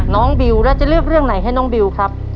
บิวแล้วจะเลือกเรื่องไหนให้น้องบิวครับ